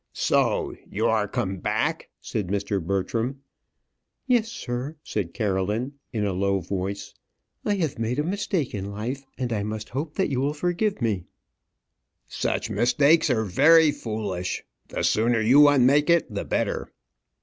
"So, you are come back," said Mr. Bertram. "Yes, sir," said Caroline, in a low voice. "I have made a mistake in life, and I must hope that you will forgive me." "Such mistakes are very foolish. The sooner you unmake it the better."